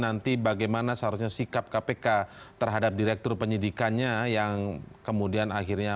nanti bagaimana seharusnya sikap kpk terhadap direktur penyidikannya yang kemudian akhirnya